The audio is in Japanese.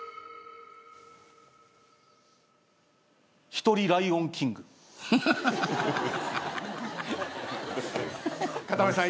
１人『ライオン・キング』かたまりさん